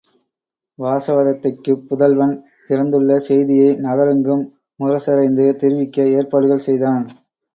வாசவதத்தைக்குப் புதல்வன் பிறந்துள்ள செய்தியை நகரெங்கும் முரசறைந்து தெரிவிக்க ஏற்பாடுகள் செய்தான்.